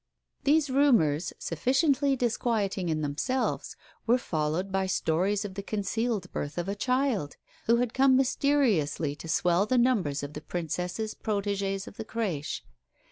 These rumours, sufficiently disquieting in themselves, were followed by stories of the concealed birth of a child, who had come mysteriously to swell the numbers of the Princess's protégés of the crèche.